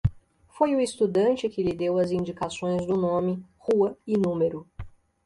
Foi o estudante que lhe deu as indicações do nome, rua e número.